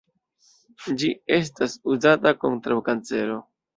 Ĝi estas uzata kontraŭ kancero.